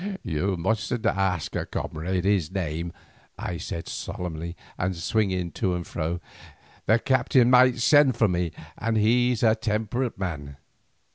"You mustn't ask a comrade his name," I said solemnly and swinging to and fro. "The captain might send for me and he's a temperate man.